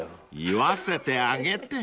［言わせてあげて］